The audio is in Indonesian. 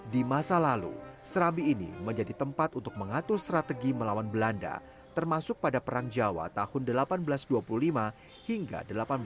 di masa lalu serambi ini menjadi tempat untuk mengatur strategi melawan belanda termasuk pada perang jawa tahun seribu delapan ratus dua puluh lima hingga seribu delapan ratus tiga puluh